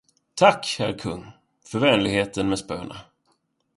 Tack, herr kung, för vänligheten med spöna.